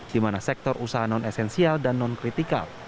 dimana sektor usaha non esensial dan non kritikal